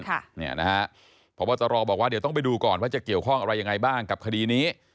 พบตรบอกว่าเดี๋ยวต้องไปดูก่อนว่าจะเกี่ยวข้องอะไรยังไงบ้างกับคดีนี้